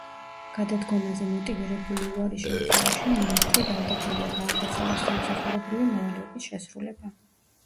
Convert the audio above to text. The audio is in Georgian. გადადგომაზე მოტივირებული უარის შემთხვევაში მინისტრი ვალდებულია გააგრძელოს სამსახურებრივი მოვალეობის შესრულება.